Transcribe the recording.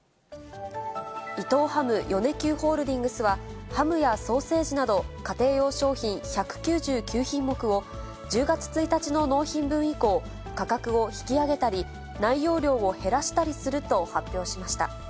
伊藤ハム米久ホールディングスは、ハムやソーセージなど、家庭用商品１９９品目を、１０月１日の納品分以降、価格を引き上げたり、内容量を減らしたりすると発表しました。